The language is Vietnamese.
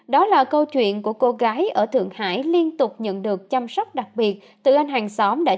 đó là câu chuyện của cô gái ở thượng hải liên tục nhận được chăm sóc đặc biệt từ anh hàng xóm